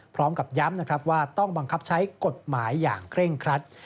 พร้อมกับย้ำนะครับว่าต้องบังคับใช้กฎหมายอย่างเคร่งครัด